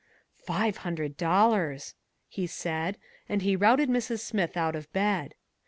"Five hundred dollars!" he said, and he routed Mrs. Smith out of bed.